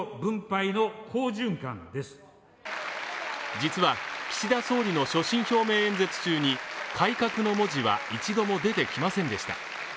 実は、岸田総理の所信表明演説中に「改革」の文字は一度も出てきませんでした。